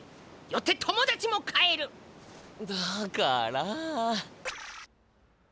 よって友だちも買える！だから！